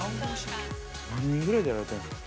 ◆何人ぐらいで、やられているんですか。